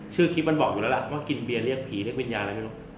คลิปมันบอกอยู่แล้วล่ะว่ากินเบียนเรียกผีเรียกวิญญาณอะไรไม่รู้